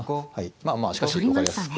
まあまあしかし分かりやすく。